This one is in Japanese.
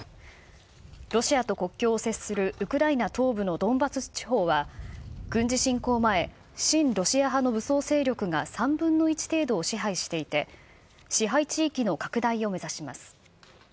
ロシアと国境を接するウクライナ東部のドンバス地方は、軍事侵攻前、親ロシア派の武装勢力が３分の１程度を支配していて、支配地域の拡大を目指します。